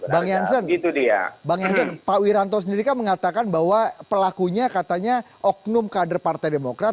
bang jansen pak wiranto sendiri kan mengatakan bahwa pelakunya katanya oknum kader partai demokrat